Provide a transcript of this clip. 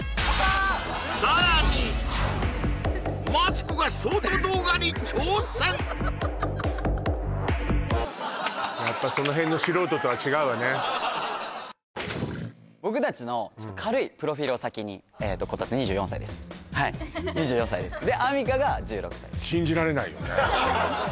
さらにやっぱ僕達のちょっと軽いプロフィールを先にこたつ２４歳ですはい２４歳ですであみかが１６歳です